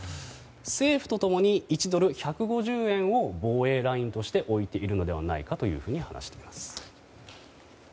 政府と共に１ドル＝１５０円を防衛ラインとして置いているのではないかと話しています。